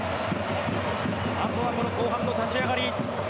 あとはこの後半の立ち上がり。